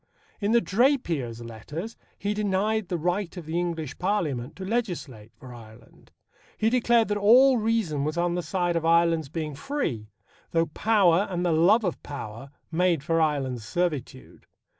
In the Drapier's Letters he denied the right of the English Parliament to legislate for Ireland. He declared that all reason was on the side of Ireland's being free, though power and the love of power made for Ireland's servitude.